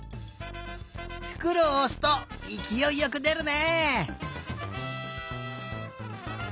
ふくろをおすといきおいよくでるね！